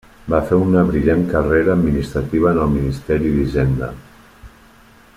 Va fer una brillant carrera administrativa en el ministeri d'Hisenda.